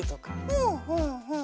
ふんふんふん。